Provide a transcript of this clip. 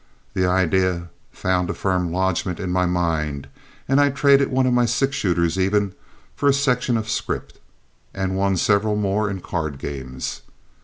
The idea found a firm lodgment in my mind, and I traded one of my six shooters even for a section of scrip, and won several more in card games.